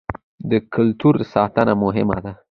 د کلتور ساتنه مهمه ده.